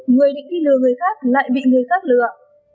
người định đi lừa người khác lại bị người khác lừa